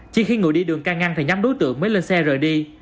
chỉ khi ngồi đi đường ca ngăn thì nhóm đối tượng mới lên xe rời đi